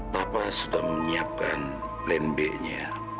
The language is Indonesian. papa sudah menyiapkan plan b nya